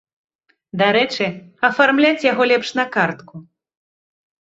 Дарэчы, афармляць яго лепш на картку.